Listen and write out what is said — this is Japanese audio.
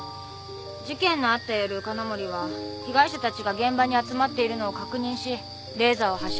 事件のあった夜金森は被害者たちが現場に集まっているのを確認しレーザーを発射したそうです。